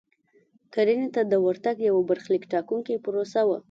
کرنې ته د ورتګ یوه برخلیک ټاکونکې پروسه وه.